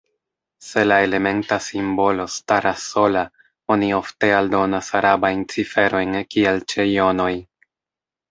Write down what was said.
Se la elementa simbolo staras sola, oni ofte aldonas arabajn ciferojn kiel ĉe jonoj.